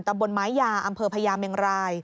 บนไม้ยาอำเภอพญาเมงราย